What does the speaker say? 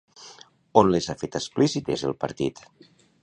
On les ha fet explícites el partit?